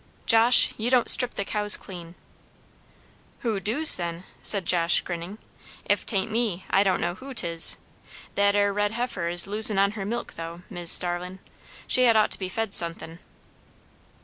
"Josh, you don't strip the cows clean." "Who doos, then?" said Josh, grinning. "If 'tain't me, I don' know who 'tis. That 'ere red heifer is losin' on her milk, though, Mis' Starlin'. She had ought to be fed sun'thin'."